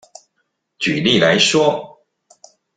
舉例來說